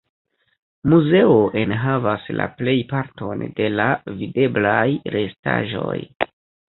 Muzeo enhavas la plejparton de la videblaj restaĵoj.